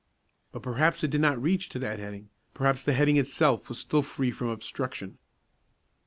But perhaps it did not reach to that heading; perhaps the heading itself was still free from obstruction!